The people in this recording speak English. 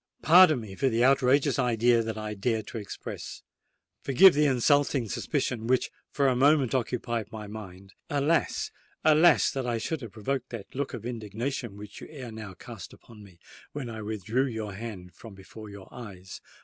"Pardon me for the outrageous idea that I dared to express—forgive the insulting suspicion which for a moment occupied my mind! Alas! alas! that I should have provoked the look of indignation which you ere now cast upon me, when I withdrew your hand from before your eyes!